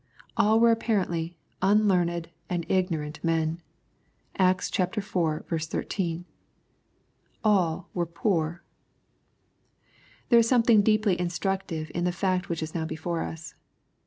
All were, apparently, "unlearned and ignorant men,* (Acts iv. 13.) All were poor. There is something deeply instructive in the fact which is now before us.